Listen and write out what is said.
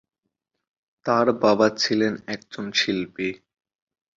তার বাবা ছিলেন একজন শিল্পী।